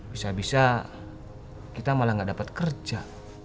bisa bisa kita malah gak dapat kerja